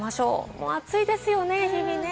もう暑いですよね、日々ね。